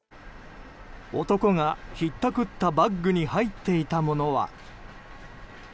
男がひったくったバッグに入っていたものは。